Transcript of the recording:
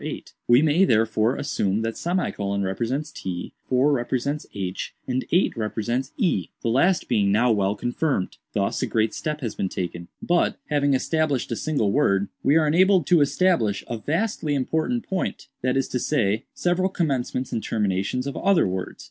We may, therefore, assume that ; represents t, 4 represents h, and 8 represents e—the last being now well confirmed. Thus a great step has been taken. "But, having established a single word, we are enabled to establish a vastly important point; that is to say, several commencements and terminations of other words.